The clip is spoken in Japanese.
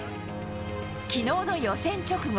昨日の予選直後。